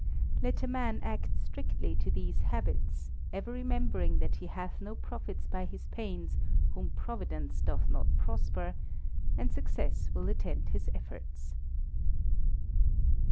Let a man act strictly to these habits ever remembering that he hath no profits by his pains whom Providence doth not prosper and success will attend his efforts.